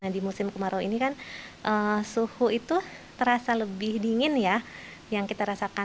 di musim kemarau ini kan suhu itu terasa lebih dingin ya